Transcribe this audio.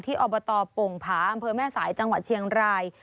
อบตโป่งผาอำเภอแม่สายจังหวัดเชียงราย